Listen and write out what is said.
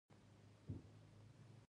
هغه به له فقیرانو سره کښېناست.